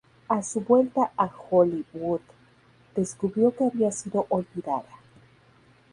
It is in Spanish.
A su vuelta a Hollywood descubrió que había sido olvidada.